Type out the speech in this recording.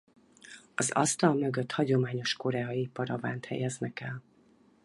Az asztal mögött hagyományos koreai paravánt helyeznek el.